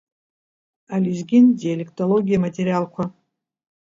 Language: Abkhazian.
Алезгин диалектологиа аматериалқәа…